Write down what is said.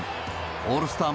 オールスター